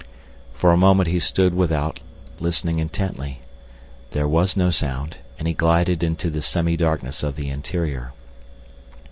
For a moment he stood without, listening intently. There was no sound, and he glided into the semi darkness of the interior.